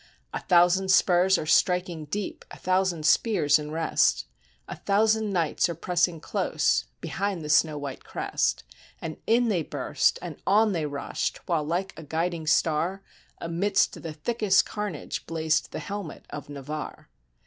A thousand spurs are striking deep, a thousand spears in rest, A thousand knights are pressing close behind the snow white crest; And in they burst, and on they rushed, while, like a guiding star, Amidst the thickest carnage blazed the helmet of Na varre.